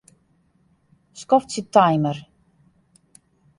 Skoftsje timer.